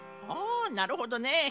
あなるほどね。